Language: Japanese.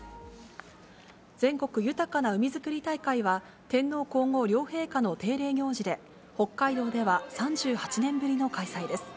全国豊かな海づくり大会は、天皇皇后両陛下の定例行事で、北海道では３８年ぶりの開催です。